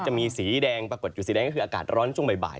จะมีสีแดงปรากฏอยู่สีแดงก็คืออากาศร้อนช่วงบ่าย